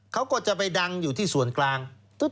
เขาก็จะไปดังอยู่ที่ส่วนกลาง